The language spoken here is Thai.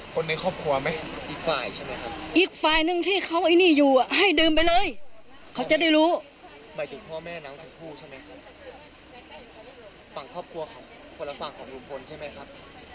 ฝั่งครอบครัวของคนละฝั่งของลุงพลใช่ไหมครับ